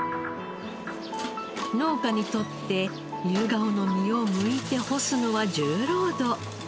農家にとってユウガオの実をむいて干すのは重労働。